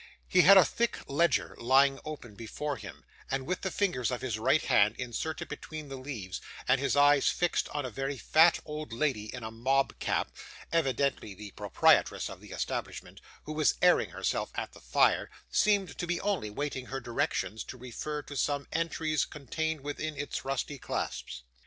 He had a thick ledger lying open before him, and with the fingers of his right hand inserted between the leaves, and his eyes fixed on a very fat old lady in a mob cap evidently the proprietress of the establishment who was airing herself at the fire, seemed to be only waiting her directions to refer to some entries contained within its rusty clasps.